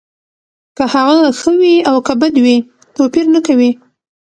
که هغه ښه وي او که بد وي توپیر نه کوي